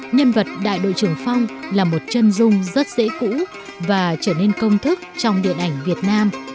nhân vật đại đội trưởng phong là một chân dung rất dễ cũ và trở nên công thức trong điện ảnh việt nam